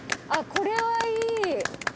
これはいい！